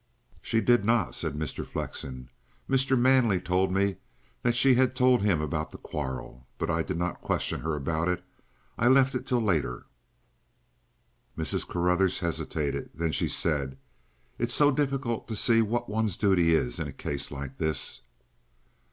"She did not," said Mr. Flexen. "Mr. Manley told me that she had told him about the quarrel. But I did not question her about it. I left it till later." Mrs. Carruthers hesitated; then she said: "It's so difficult to see what one's duty is in a case like this."